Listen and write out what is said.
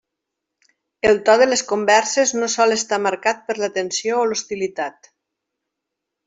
El to de les converses no sol estar marcat per la tensió o l'hostilitat.